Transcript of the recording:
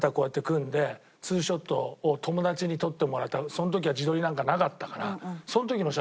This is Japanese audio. その時は自撮りなんかなかったから。